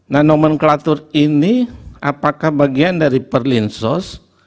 nah nomenklatur ini apakah bagian dari perlinsos